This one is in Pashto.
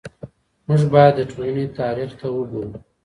موږ بايد د ټولني تاريخ ته وګورو.